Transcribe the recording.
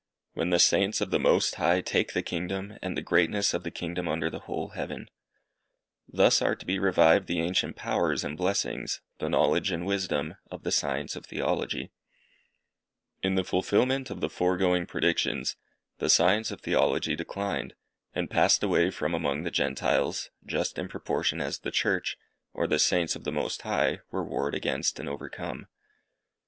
Then will the Saints of the Most High take the kingdom, and the greatness of the kingdom under the whole heaven. Thus are to be revived the ancient powers and blessings, the knowledge and wisdom, of the science of Theology. In the fulfilment of the foregoing predictions, the science of Theology declined, and passed away from among the Gentiles, just in proportion as the Church, or the Saints of the Most High, were warred against and overcome.